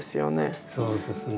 そうですね。